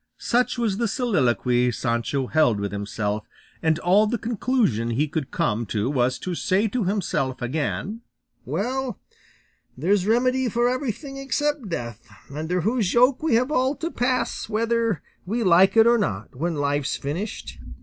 Such was the soliloquy Sancho held with himself, and all the conclusion he could come to was to say to himself again, "Well, there's remedy for everything except death, under whose yoke we have all to pass, whether we like it or not, when life's finished.